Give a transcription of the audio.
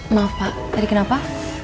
maaf pak tadi kenapa